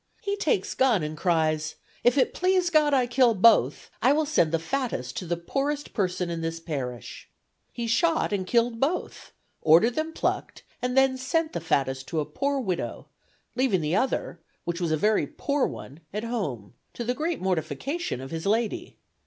He takes gun and cries, 'If it please God I kill both, I will send the fattest to the poorest person in this parish.' He shot, and killed both; ordered them plucked, and then sent the fattest to a poor widow, leaving the other, which was a very poor one, at home, to the great mortification of his lady.